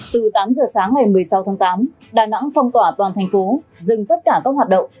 từ tám giờ sáng ngày một mươi sáu tháng tám đà nẵng phong tỏa toàn thành phố dừng tất cả các hoạt động